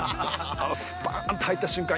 スパーンと入った瞬間